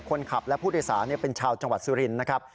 คนขับและผู้โดยสารเป็นชาวจังหวัดสุรินทร์นะครับ